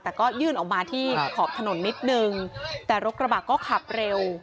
แต่ก็ยื่นออกมาที่ขอบถนนนิดนึงแต่รถกระบะก็ขับเร็ว